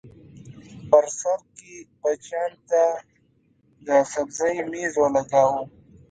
بر سر کې بچیانو ته د سبزۍ مېز ولګاوه